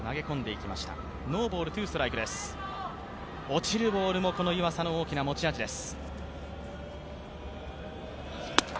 落ちるボールもこの湯浅の大きな持ち味です。